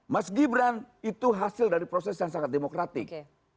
mas gibran itu hasil dari proses yang sangat demokratik